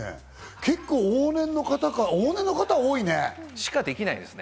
結構、往年の方多いね。しかできないですね。